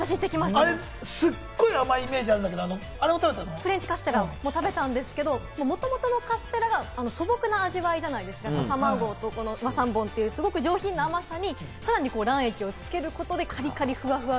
あれ、すっごい甘いイメージあるけれども、フレンチカステラも食べたんですけれど、もともとカステラが素朴な味わいじゃないですか、卵と和三盆糖という上品な甘さに、さらに卵液をつけることで、カリカリふわふわ。